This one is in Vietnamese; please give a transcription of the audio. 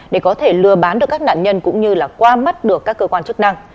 để có thể lừa bán được các nạn nhân cũng như là qua mắt được các cơ quan chức năng